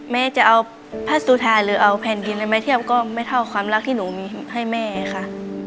แม่จะเอาพระสุธาหรือเอาแผ่นดินอะไรมาเทียบก็ไม่เท่าความรักที่หนูมีให้แม่ค่ะ